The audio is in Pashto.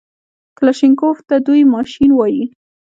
کلاشينکوف ته دوى ماشين وايي.